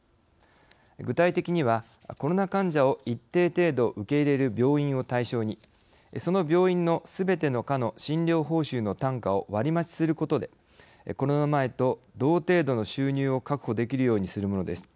具体的にはコロナ患者を一定程度受け入れる病院を対象にその病院のすべての科の診療報酬の単価を割り増しすることでコロナ前と同程度の収入を確保できるようにするものです。